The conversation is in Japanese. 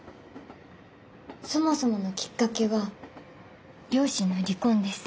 そもそものきっかけは両親の離婚です。